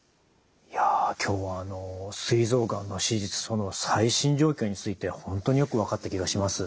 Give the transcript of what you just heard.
いや今日はすい臓がんの手術その最新状況について本当によく分かった気がします。